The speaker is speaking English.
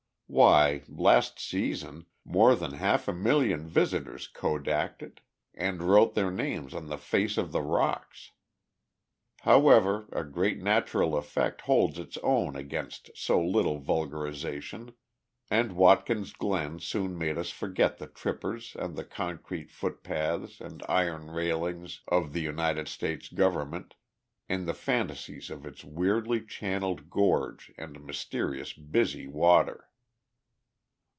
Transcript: Why, last season more than half a million visitors kodaked it, and wrote their names on the face of the rocks! However, a great natural effect holds its own against no little vulgarization, and Watkins Glen soon made us forget the trippers and the concrete footpaths and iron railings of the United States government, in the fantasies of its weirdly channelled gorge and mysterious busy water.